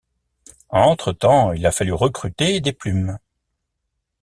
Entre-temps, il a fallu recruter des plumes.